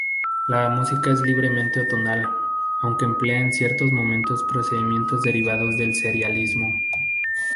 La música es libremente atonal, aunque emplea en ciertos momentos procedimientos derivados del serialismo.